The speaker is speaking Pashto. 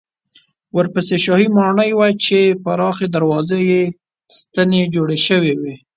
ورپسې شاهي ماڼۍ وه چې پراخې دروازې یې ستنې جوړې شوې وې.